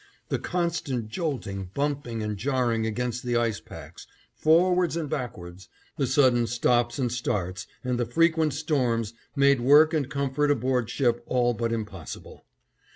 The constant jolting, bumping, and jarring against the ice packs, forwards and backwards, the sudden stops and starts and the frequent storms made work and comfort aboard ship all but impossible.